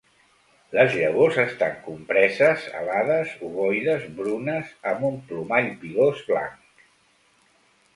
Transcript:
Les llavors estan compreses, alades, ovoides, brunes, amb un plomall pilós blanc.